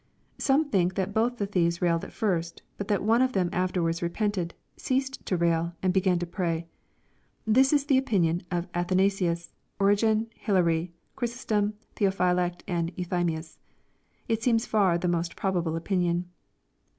Some think that both the thieves railed at first, but that one of them afterwards repented, ceased to rail, and began to pray. This is the opinion of Athanasius, Origen, Hilary, Chry Bostora, Theophylact, and Euthymius. It seems far the most pro bable opinion.